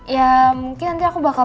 ya mungkin nanti aku bakal